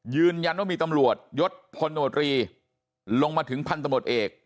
ยืนยันว่ามีตำรวจยศพลโนตรีลงมาถึงพันธุ์ตำรวจเอก